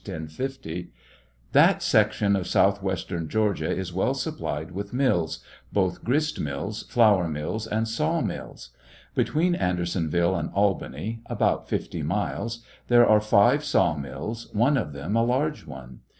1050:) That section of southwestern Georgia ia well supplied with mills — both grist mills, flour mills, and saw mills. Between Andersonville and Albany — about fifty miles —there are five saw mills, one of them a large one.